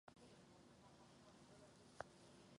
Zbarvení duhovky by mělo být tmavě hnědé nebo mírně světlejší.